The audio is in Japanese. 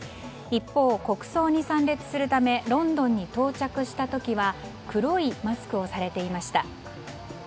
一方、国葬に参列するためロンドンに到着した時は黒いマスクをされていました。